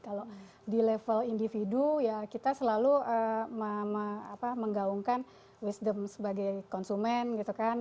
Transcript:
kalau di level individu ya kita selalu menggaungkan wisdom sebagai konsumen gitu kan